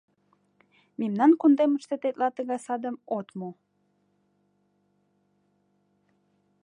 Мемнан кундемыште тетла тыгай садым от му.